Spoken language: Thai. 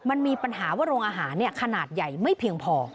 มันมีปัญหาว่าโรงอาหารขนาดใหญ่ไม่เพียงพอ